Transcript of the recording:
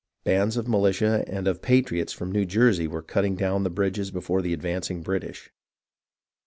Bands of militia and of patriots from New Jersey were cutting down the bridges before the advanc ing British.